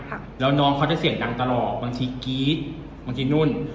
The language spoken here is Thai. ครับแล้วน้องเขาจะเสียงดังตลอดบางทีกรี๊ดบางทีนุ่น